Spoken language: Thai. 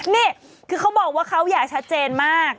นี่คือเขาบอกว่าเขาอย่าชัดเจนมาก